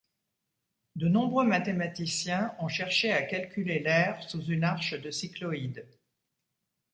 De nombreux mathématiciens ont cherché à calculer l'aire sous une arche de cycloïde.